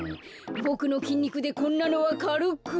ボクのきんにくでこんなのはかるく。